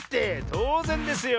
とうぜんですよ。